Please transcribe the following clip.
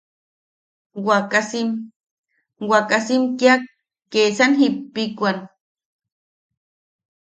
Wakasim... wakasim kia kesan jiʼipikwan.